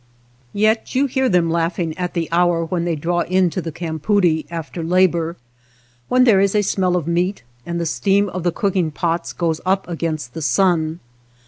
Yet you hear them laughing at the hour when they draw in to the campoodie after labor, when there is a smell of meat and the 174 THE BASKET MAKER steam of the cooking pots goes up against the sun.